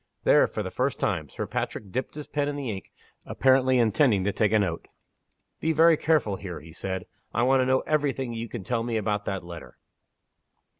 There, for the first time, Sir Patrick dipped his pen in the ink, apparently intending to take a note. "Be very careful here," he said; "I want to know every thing that you can tell me about that letter."